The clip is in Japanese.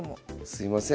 すいません